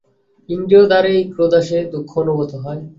ইন্দ্রিয়-দ্বারেই ক্রোধ আসে, দুঃখ অনুভূত হয়।